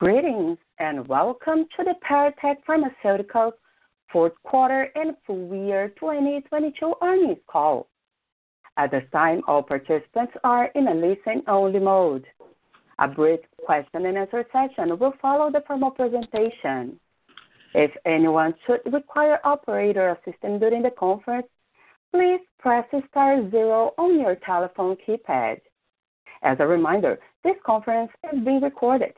Greetings, welcome to the Paratek Pharmaceuticals fourth quarter and full year 2022 earnings call. At this time, all participants are in a listen-only mode. A brief question and answer session will follow the formal presentation. If anyone should require operator assistance during the conference, please press star zero on your telephone keypad. As a reminder, this conference is being recorded.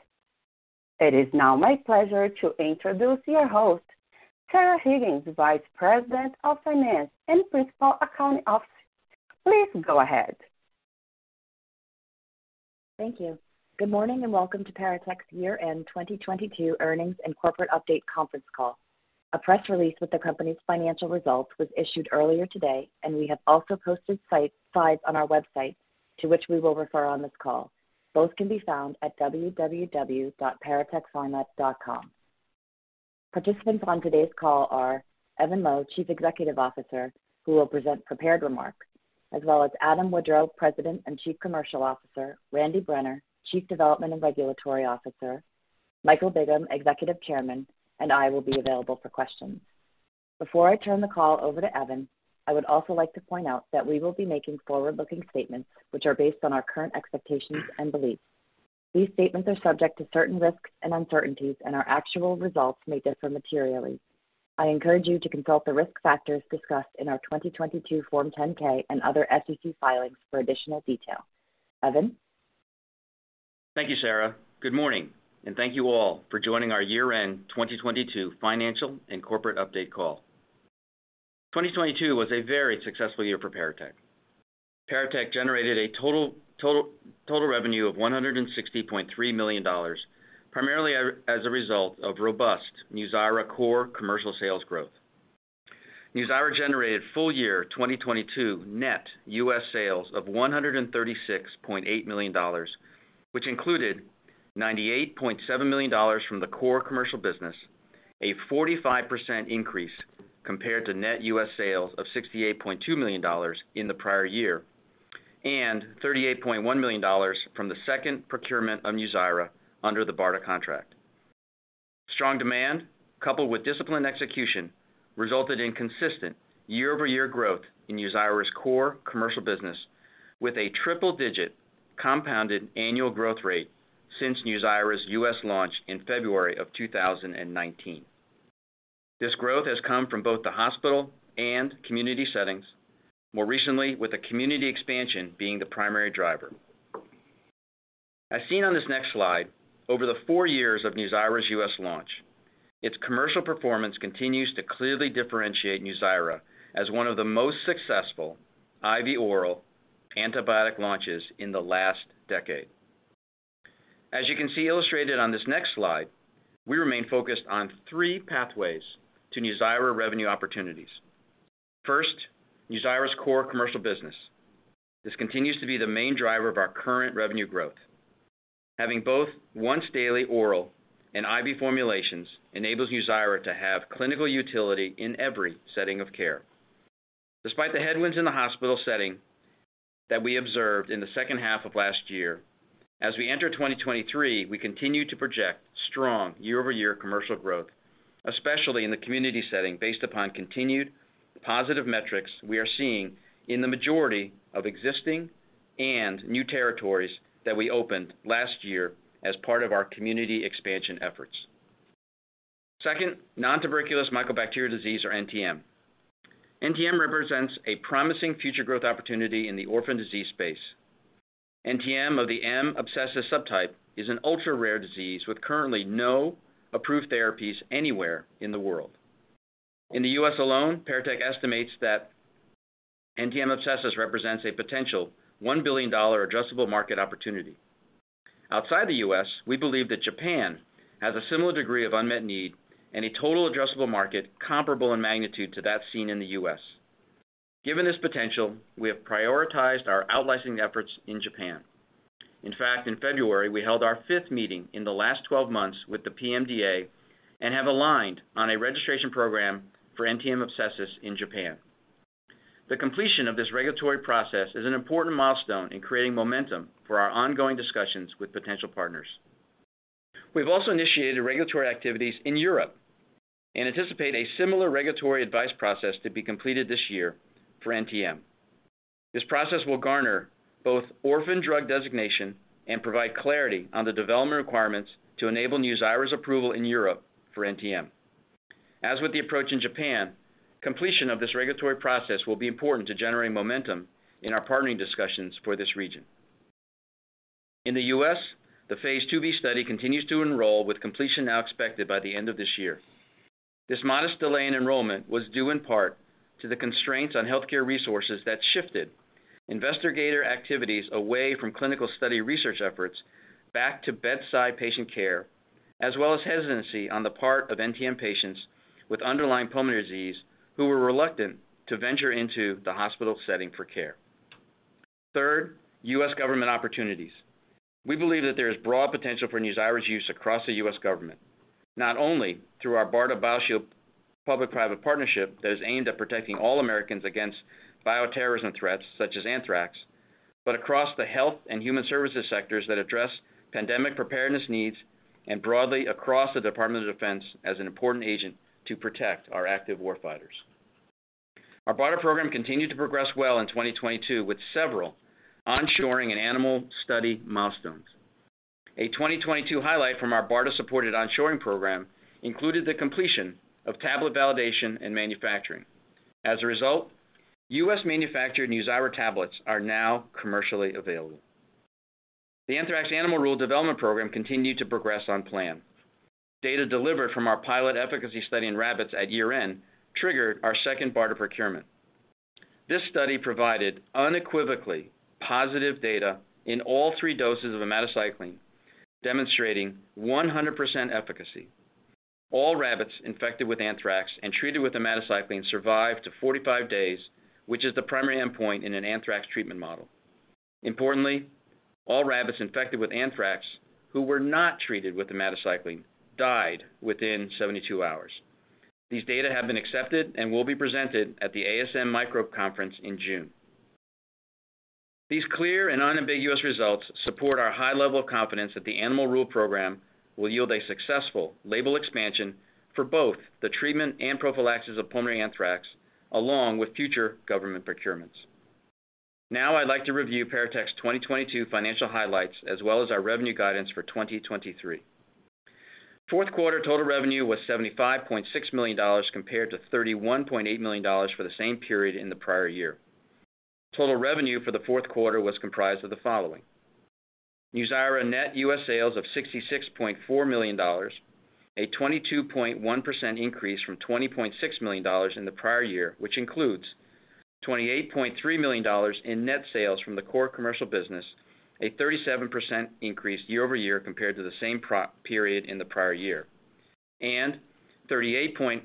It is now my pleasure to introduce your host, Sarah Higgins, Vice President of Finance and Principal Accounting Officer. Please go ahead. Thank you. Good morning, and welcome to Paratek's year-end 2022 earnings and corporate update conference call. A press release with the company's financial results was issued earlier today, and we have also posted slides on our website to which we will refer on this call. Both can be found at www.paratekpharmaceuticals.com. Participants on today's call are Evan Loh, Chief Executive Officer, who will present prepared remarks, as well as Adam Woodrow, President and Chief Commercial Officer, Randy Brenner, Chief Development and Regulatory Officer, Michael Bigham, Executive Chairman, and I will be available for questions. Before I turn the call over to Evan, I would also like to point out that we will be making forward-looking statements which are based on our current expectations and beliefs. These statements are subject to certain risks and uncertainties, and our actual results may differ materially. I encourage you to consult the Risk Factors discussed in our 2022 Form 10-K and other SEC filings for additional detail. Evan? Thank you, Sarah. Good morning, and thank you all for joining our year-end 2022 financial and corporate update call. 2022 was a very successful year for Paratek. Paratek generated total revenue of $160.3 million, primarily as a result of robust NUZYRA core commercial sales growth. NUZYRA generated full year 2022 net U.S. sales of $136.8 million, which included $98.7 million from the core commercial business, a 45% increase compared to net U.S. sales of $68.2 million in the prior year, and $38.1 million from the second procurement of NUZYRA under the BARDA contract. Strong demand, coupled with disciplined execution, resulted in consistent year-over-year growth in NUZYRA's core commercial business with a triple-digit compounded annual growth rate since NUZYRA's U.S. launch in February of 2019. This growth has come from both the hospital and community settings, more recently with the community expansion being the primary driver. As seen on this next slide, over the four years of NUZYRA's U.S. launch, its commercial performance continues to clearly differentiate NUZYRA as one of the most successful IV oral antibiotic launches in the last decade. As you can see illustrated on this next slide, we remain focused on three pathways to NUZYRA revenue opportunities. First, NUZYRA's core commercial business. This continues to be the main driver of our current revenue growth. Having both once daily oral and IV formulations enables NUZYRA to have clinical utility in every setting of care. Despite the headwinds in the hospital setting that we observed in the second half of last year, as we enter 2023, we continue to project strong year-over-year commercial growth, especially in the community setting based upon continued positive metrics we are seeing in the majority of existing and new territories that we opened last year as part of our community expansion efforts. Second, nontuberculous mycobacteria disease, or NTM. NTM represents a promising future growth opportunity in the orphan disease space. NTM of the M. abscessus subtype is an ultra-rare disease with currently no approved therapies anywhere in the world. In the U.S. alone, Paratek estimates that NTM abscessus represents a potential $1 billion addressable market opportunity. Outside the U.S., we believe that Japan has a similar degree of unmet need and a total addressable market comparable in magnitude to that seen in the U.S. Given this potential, we have prioritized our out licensing efforts in Japan. In fact, in February, we held our fifth meeting in the last 12 months with the PMDA and have aligned on a registration program for NTM abscessus in Japan. The completion of this regulatory process is an important milestone in creating momentum for our ongoing discussions with potential partners. We've also initiated regulatory activities in Europe and anticipate a similar regulatory advice process to be completed this year for NTM. This process will garner both orphan drug designation and provide clarity on the development requirements to enable NUZYRA's approval in Europe for NTM. As with the approach in Japan, completion of this regulatory process will be important to generating momentum in our partnering discussions for this region. In the U.S., the phase II-B study continues to enroll with completion now expected by the end of this year. This modest delay in enrollment was due in part to the constraints on healthcare resources that shifted investigator activities away from clinical study research efforts back to bedside patient care, as well as hesitancy on the part of NTM patients with underlying pulmonary disease who were reluctant to venture into the hospital setting for care. Third, U.S. government opportunities. We believe that there is broad potential for NUZYRA's use across the U.S. government, not only through our BARDA BioShield public-private partnership that is aimed at protecting all Americans against bioterrorism threats such as anthrax. Across the health and human services sectors that address pandemic preparedness needs and broadly across the Department of Defense as an important agent to protect our active war fighters. Our BARDA program continued to progress well in 2022, with several onshoring and animal study milestones. A 2022 highlight from our BARDA-supported onshoring program included the completion of tablet validation and manufacturing. As a result, U.S.-manufactured NUZYRA tablets are now commercially available. The anthrax Animal Rule development program continued to progress on plan. Data delivered from our pilot efficacy study in rabbits at year-end triggered our second BARDA procurement. This study provided unequivocally positive data in all three doses of omadacycline, demonstrating 100% efficacy. All rabbits infected with anthrax and treated with omadacycline survived to 45 days, which is the primary endpoint in an anthrax treatment model. Importantly, all rabbits infected with anthrax who not treated with omadacycline died within 72 hours. These data have been accepted and will be presented at the ASM Microbe conference in June. These clear and unambiguous results support our high level of confidence that the Animal Rule program will yield a successful label expansion for both the treatment and prophylaxis of pulmonary anthrax, along with future government procurements. Now I'd like to review Paratek's 2022 financial highlights as well as our revenue guidance for 2023. Fourth quarter total revenue was $75.6 million compared to $31.8 million for the same period in the prior year. Total revenue for the fourth quarter was comprised of the following: NUZYRA net U.S. sales of $66.4 million, a 22.1% increase from $20.6 million in the prior year, which includes $28.3 million in net sales from the core commercial business, a 37% increase year-over-year compared to the same pro- period in the prior year, and $38.1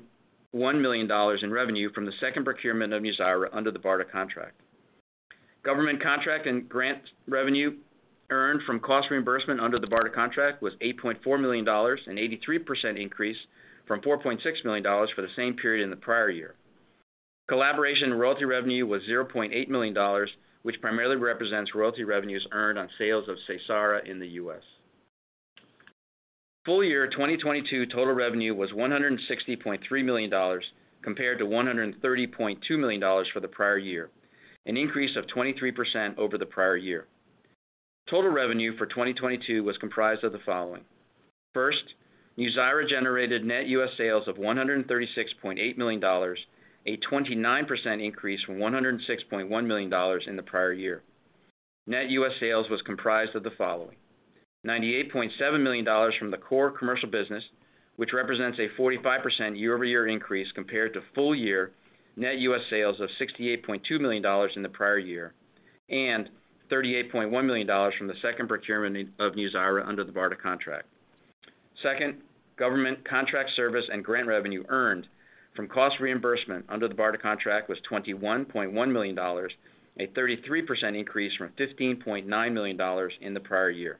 million in revenue from the second procurement of NUZYRA under the BARDA contract. Government contract and grant revenue earned from cost reimbursement under the BARDA contract was $8.4 million, an 83% increase from $4.6 million for the same period in the prior year. Collaboration royalty revenue was $0.8 million, which primarily represents royalty revenues earned on sales of SEYSARA in the U.S. Full year 2022 total revenue was $160.3 million, compared to $130.2 million for the prior year, an increase of 23% over the prior year. Total revenue for 2022 was comprised of the following. First, NUZYRA generated net U.S. sales of $136.8 million, a 29% increase from $106.1 million in the prior year. Net U.S. sales was comprised of the following: $98.7 million from the core commercial business, which represents a 45% year-over-year increase compared to full year net U.S. sales of $68.2 million in the prior year, and $38.1 million from the second procurement of NUZYRA under the BARDA contract. Second, government contract service and grant revenue earned from cost reimbursement under the BARDA contract was $21.1 million, a 33% increase from $15.9 million in the prior year.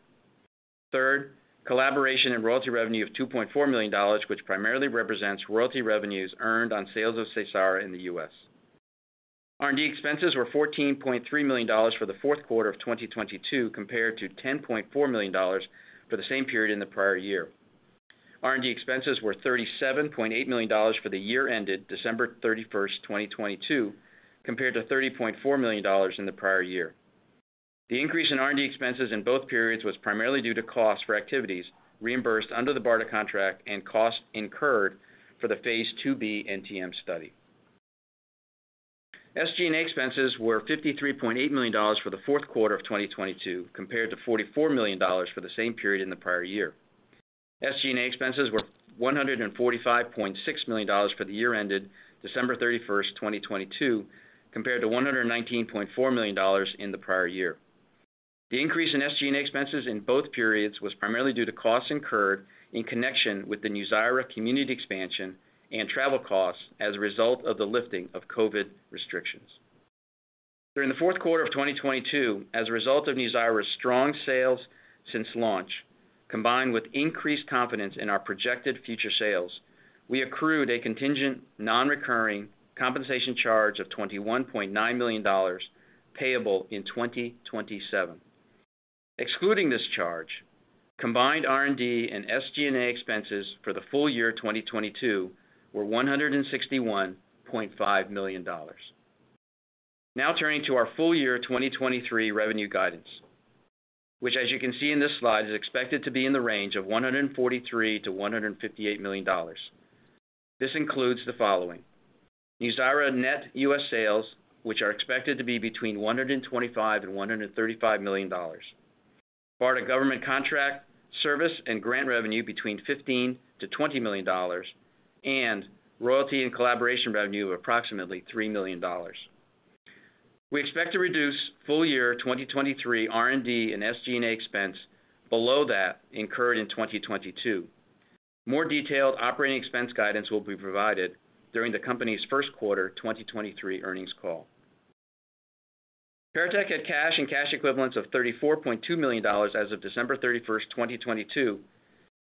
Third, collaboration and royalty revenue of $2.4 million, which primarily represents royalty revenues earned on sales of SEYSARA in the U.S. R&D expenses were $14.3 million for the fourth quarter of 2022 compared to $10.4 million for the same period in the prior year. R&D expenses were $37.8 million for the year ended December 31st, 2022 compared to $30.4 million in the prior year. The increase in R&D expenses in both periods was primarily due to costs for activities reimbursed under the BARDA contract and costs incurred for the phase II-B NTM study. SG&A expenses were $53.8 million for the fourth quarter of 2022 compared to $44 million for the same period in the prior year. SG&A expenses were $145.6 million for the year ended December 31st, 2022 compared to $119.4 million in the prior year. The increase in SG&A expenses in both periods was primarily due to costs incurred in connection with the NUZYRA community expansion and travel costs as a result of the lifting of COVID restrictions. During the fourth quarter of 2022, as a result of NUZYRA's strong sales since launch, combined with increased confidence in our projected future sales, we accrued a contingent non-recurring compensation charge of $21.9 million payable in 2027. Excluding this charge, combined R&D and SG&A expenses for the full year 2022 were $161.5 million. Turning to our full year 2023 revenue guidance, which as you can see in this slide is expected to be in the range of $143 million-$158 million. This includes the following: NUZYRA net U.S. sales, which are expected to be between $125 million and $135 million. BARDA government contract, service, and grant revenue between $15 million-$20 million. Royalty and collaboration revenue of approximately $3 million. We expect to reduce full year 2023 R&D and SG&A expense below that incurred in 2022. More detailed operating expense guidance will be provided during the company's first quarter 2023 earnings call. Paratek had cash and cash equivalents of $34.2 million as of December 31st, 2022.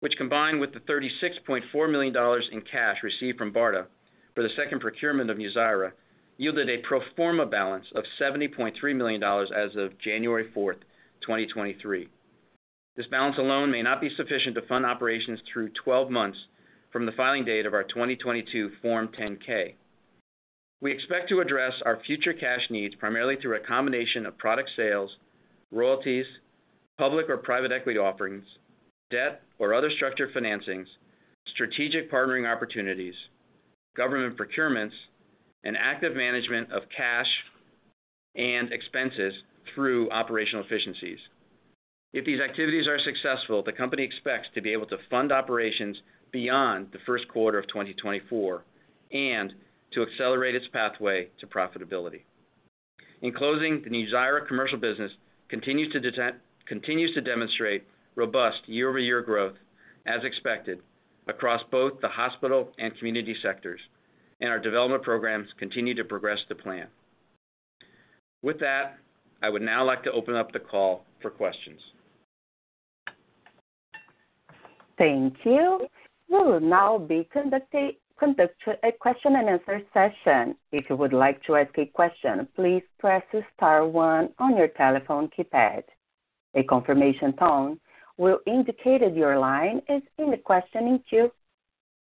Which combined with the $36.4 million in cash received from BARDA for the second procurement of NUZYRA, yielded a pro forma balance of $70.3 million as of January 4th, 2023. This balance alone may not be sufficient to fund operations through 12 months from the filing date of our 2022 Form 10-K. We expect to address our future cash needs primarily through a combination of product sales, royalties, public or private equity offerings, debt or other structured financings, strategic partnering opportunities, government procurements, and active management of cash and expenses through operational efficiencies. If these activities are successful, the company expects to be able to fund operations beyond the first quarter of 2024 and to accelerate its pathway to profitability. In closing, the NUZYRA commercial business continues to demonstrate robust year-over-year growth as expected across both the hospital and community sectors. Our development programs continue to progress to plan. With that, I would now like to open up the call for questions. Thank you. We will now conduct a question-and-answer session. If you would like to ask a question, please press star one on your telephone keypad. A confirmation tone will indicate that your line is in the questioning queue.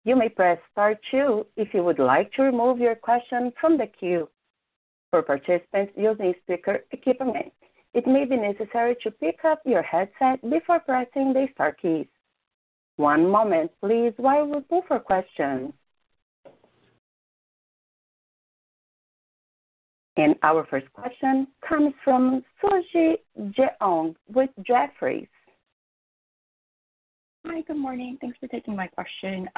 You may press star two if you would like to remove your question from the queue. For participants using speaker equipment, it may be necessary to pick up your headset before pressing the star keys. One moment, please, while we go for questions. Our first question comes from Suji Jeong with Jefferies. Hi, good morning. Thanks for taking my question.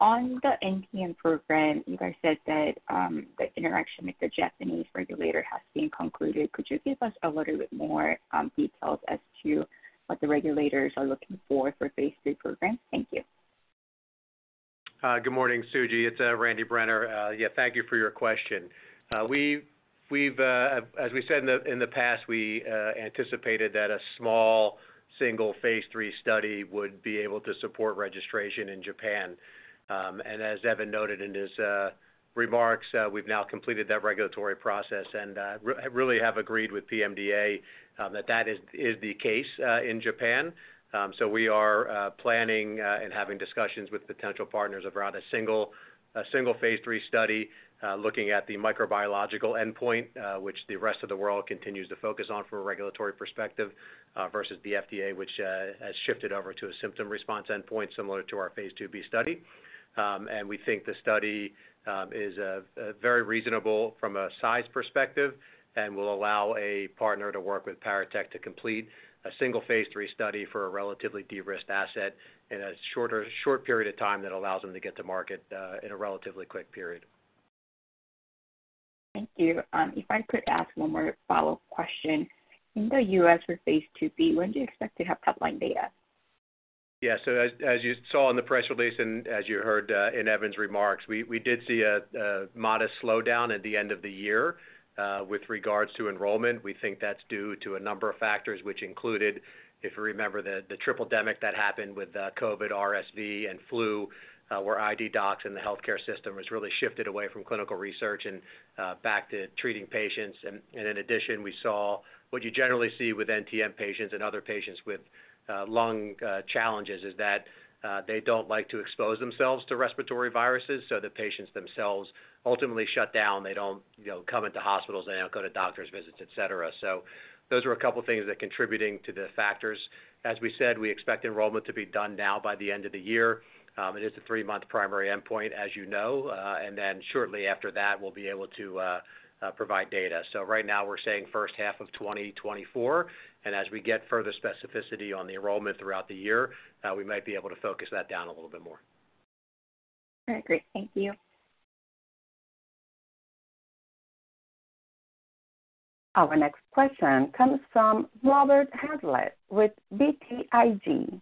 On the NTM program, you guys said that the interaction with the Japanese regulator has been concluded. Could you give us a little bit more details as to what the regulators are looking for phase III program? Thank you. Good morning, Suji. It's Randy Brenner. Yeah, thank you for your question. We've, as we said in the past, we anticipated that a small single phase III study would be able to support registration in Japan. As Evan noted in his remarks, we've now completed that regulatory process and really have agreed with PMDA that that is the case in Japan. We are planning and having discussions with potential partners around a single phase III study, looking at the microbiological endpoint, which the rest of the world continues to focus on from a regulatory perspective, versus the FDA, which has shifted over to a symptom response endpoint similar to our phase II-B study. We think the study is very reasonable from a size perspective and will allow a partner to work with Paratek to complete a single phase three study for a relatively de-risked asset in a shorter, short period of time that allows them to get to market in a relatively quick period. Thank you. If I could ask one more follow-up question. In the U.S. for phase II-B, when do you expect to have top-line data? Yeah. As you saw in the press release and as you heard in Evan's remarks, we did see a modest slowdown at the end of the year with regards to enrollment. We think that's due to a number of factors which included, if you remember the tripledemic that happened with COVID, RSV, and flu, where ID docs and the healthcare system has really shifted away from clinical research and back to treating patients. In addition, we saw what you generally see with NTM patients and other patients with lung challenges is that they don't like to expose themselves to respiratory viruses. The patients themselves ultimately shut down. They don't, you know, come into hospitals, they don't go to doctor's visits, et cetera. Those are a couple of things that are contributing to the factors. We said, we expect enrollment to be done now by the end of the year. It is a 3-month primary endpoint, as you know. Shortly after that, we'll be able to provide data. Right now we're saying first half of 2024, and as we get further specificity on the enrollment throughout the year, we might be able to focus that down a little bit more. All right, great. Thank you. Our next question comes from Robert Hazlett with BTIG.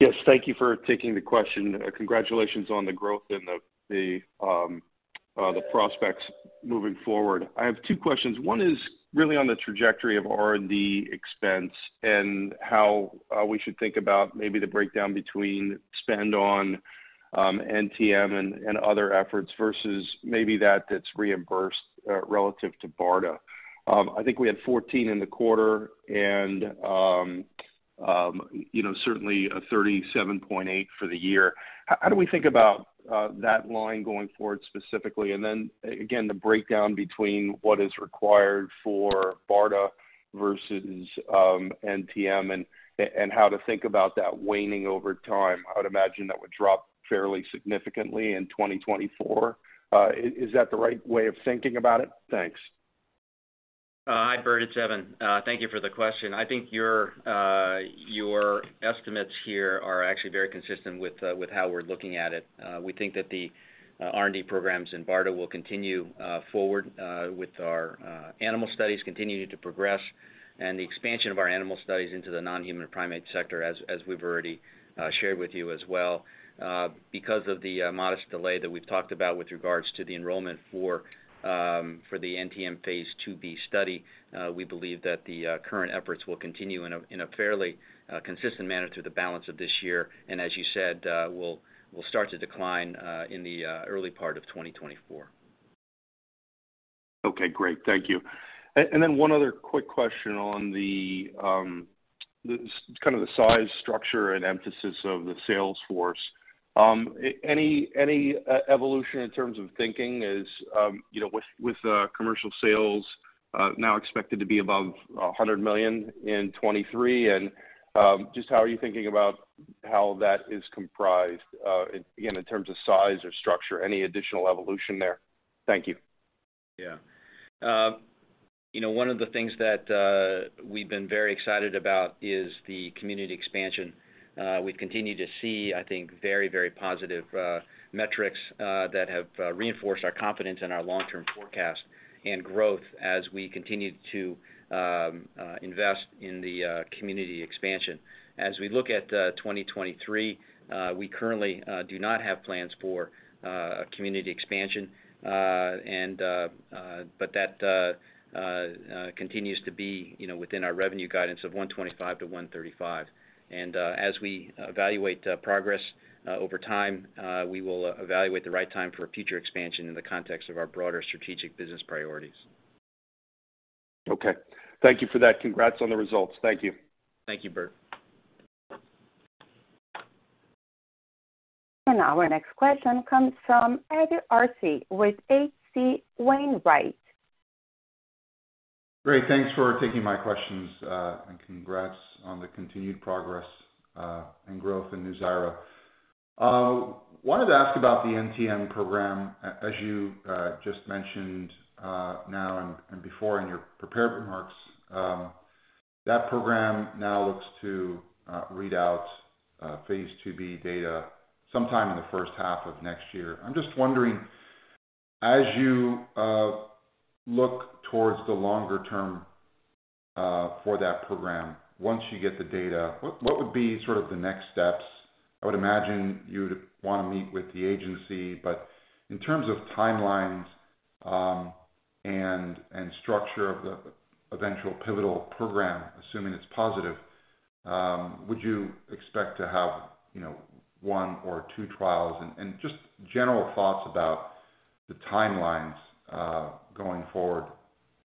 Yes, thank you for taking the question. Congratulations on the growth and the prospects moving forward. I have two questions. One is really on the trajectory of R&D expense and how we should think about maybe the breakdown between spend on NTM and other efforts versus maybe that's reimbursed relative to BARDA. I think we had $14 in the quarter and, you know, certainly $37.8 for the year. How do we think about that line going forward specifically? Again, the breakdown between what is required for BARDA versus NTM and how to think about that waning over time. I would imagine that would drop fairly significantly in 2024. Is that the right way of thinking about it? Thanks. Hi, Bert, it's Evan. Thank you for the question. I think your estimates here are actually very consistent with how we're looking at it. We think that the R&D programs in BARDA will continue forward with our animal studies continuing to progress and the expansion of our animal studies into the non-human primate sector, as we've already shared with you as well. Because of the modest delay that we've talked about with regards to the enrollment for the NTM phase II-B study, we believe that the current efforts will continue in a fairly consistent manner through the balance of this year. As you said, will start to decline in the early part of 2024. Okay, great. Thank you. Then one other quick question on the kind of the size, structure, and emphasis of the sales force. Any evolution in terms of thinking is, you know, with commercial sales now expected to be above $100 million in 2023 and just how are you thinking about how that is comprised, again, in terms of size or structure, any additional evolution there? Thank you. Yeah. You know, one of the things that we've been very excited about is the community expansion. We continue to see, I think, very, very positive metrics that have reinforced our confidence in our long-term forecast and growth as we continue to invest in the community expansion. As we look at 2023, we currently do not have plans for community expansion. But that continues to be, you know, within our revenue guidance of $125 million-$135 million. As we evaluate progress over time, we will evaluate the right time for a future expansion in the context of our broader strategic business priorities. Thank you for that. Congrats on the results. Thank you. Thank you, Bert. Our next question comes from Ed Arce with H.C. Wainwright. Great. Thanks for taking my questions, and congrats on the continued progress and growth in NUZYRA. Wanted to ask about the NTM program as you just mentioned now and before in your prepared remarks. That program now looks to read out phase II-B data sometime in the first half of next year. I'm just wondering, as you look towards the longer term for that program, once you get the data, what would be sort of the next steps? I would imagine you would wanna meet with the agency. In terms of timelines, and structure of the eventual pivotal program, assuming it's positive, would you expect to have, you know, one or two trials? Just general thoughts about the timelines, going forward,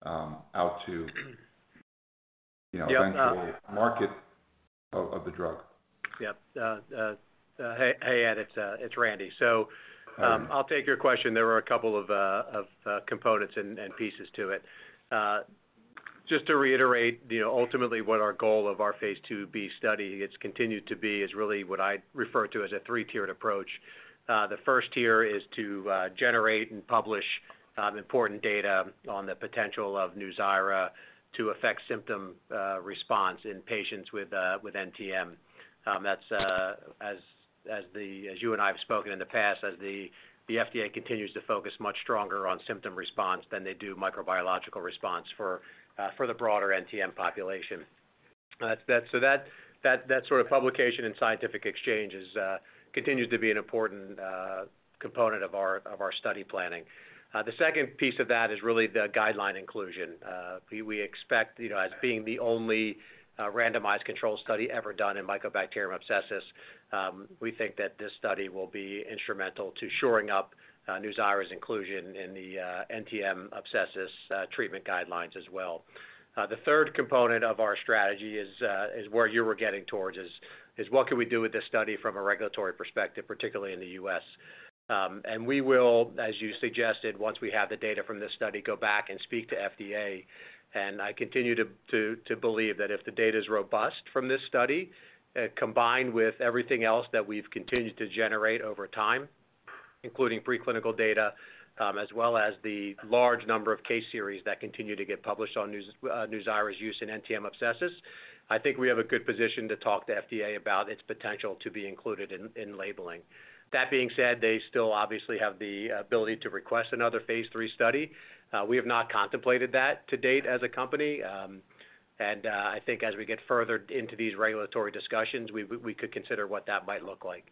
out to, you know, eventually market of the drug. Yeah. Hey, Ed, it's Randy. I'll take your question. There were a couple of components and pieces to it. Just to reiterate, you know, ultimately what our goal of our phase II-B study it's continued to be is really what I refer to as a three-tiered approach. The first tier is to generate and publish important data on the potential of NUZYRA to affect symptom response in patients with NTM. That's as you and I have spoken in the past, as the FDA continues to focus much stronger on symptom response than they do microbiological response for the broader NTM population. That's that sort of publication and scientific exchange is continues to be an important component of our study planning. The second piece of that is really the guideline inclusion. We expect, you know, as being the only randomized control study ever done in Mycobacterium abscessus, we think that this study will be instrumental to shoring up NUZYRA's inclusion in the NTM abscessus treatment guidelines as well. The third component of our strategy is where you were getting towards, is what can we do with this study from a regulatory perspective, particularly in the U.S. We will, as you suggested, once we have the data from this study, go back and speak to FDA. I continue to believe that if the data is robust from this study, combined with everything else that we've continued to generate over time, including preclinical data, as well as the large number of case series that continue to get published on NUZYRA's use in NTM abscessus, I think we have a good position to talk to FDA about its potential to be included in labeling. That being said, they still obviously have the ability to request another phase III study. We have not contemplated that to date as a company. I think as we get further into these regulatory discussions, we could consider what that might look like.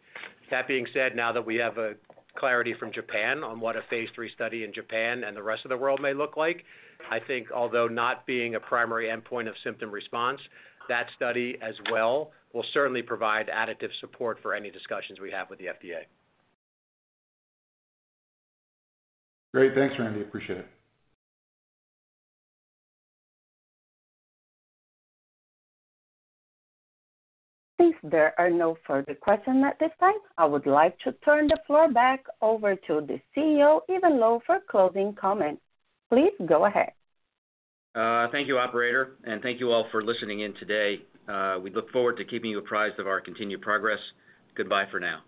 That being said, now that we have a clarity from Japan on what a phase III study in Japan and the rest of the world may look like, I think although not being a primary endpoint of symptom response, that study as well will certainly provide additive support for any discussions we have with the FDA. Great. Thanks, Randy. Appreciate it. Since there are no further questions at this time, I would like to turn the floor back over to the CEO, Evan Loh, for closing comments. Please go ahead. Thank you, operator. Thank you all for listening in today. We look forward to keeping you apprised of our continued progress. Goodbye for now.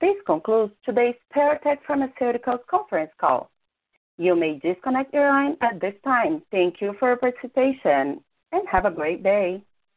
This concludes today's Paratek Pharmaceuticals conference call. You may disconnect your line at this time. Thank you for your participation, and have a great day.